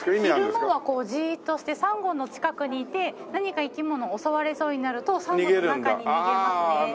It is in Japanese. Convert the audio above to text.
昼間はこうじーっとしてサンゴの近くにいて何か生き物襲われそうになるとサンゴの中に逃げますね。